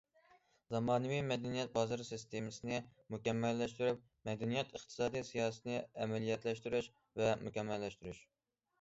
زامانىۋى مەدەنىيەت بازىرى سىستېمىسىنى مۇكەممەللەشتۈرۈپ، مەدەنىيەت ئىقتىسادى سىياسىتىنى ئەمەلىيلەشتۈرۈش ۋە مۇكەممەللەشتۈرۈش.